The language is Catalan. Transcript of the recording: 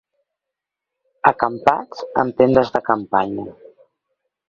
Acampats amb tendes de campanya.